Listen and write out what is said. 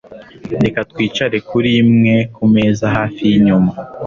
Reka twicare kuri imwe kumeza hafi yinyuma.